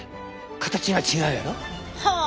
形が違うやろう？